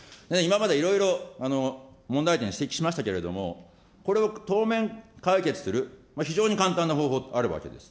今までいろいろ問題点、指摘しましたけれども、これを当面、解決する非常に簡単な方法があるわけです。